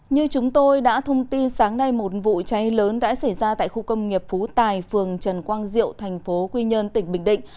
như chúng tôi đã thông tin sáng nay một vụ cháy lớn đã xảy ra tại khu công nghiệp phú tài phường trần quang diệu thành phố quy nhơn tỉnh bình định